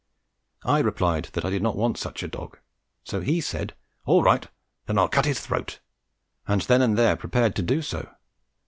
I replied that I did not want such a dog, so he said, "All right, then I'll cut his throat," and then and there prepared to do so.